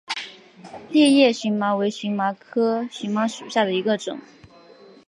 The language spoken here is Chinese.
裂叶荨麻为荨麻科荨麻属下的一个种。